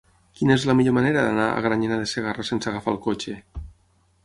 Quina és la millor manera d'anar a Granyena de Segarra sense agafar el cotxe?